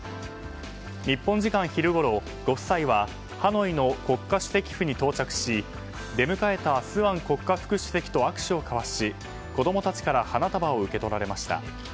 日本時間昼ごろご夫妻はハノイの国家主席府に到着し出迎えたスアン国家副主席と握手を交わし子供たちから花束を受け取られました。